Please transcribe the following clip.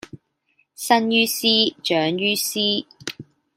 生於斯，長於斯